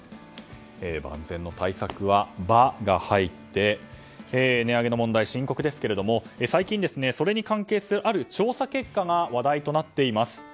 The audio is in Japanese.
万全の対策は「バ」が入って値上げの問題、深刻ですが最近、それに関係するある調査結果が話題となっています。